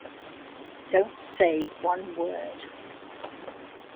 Don't say one word.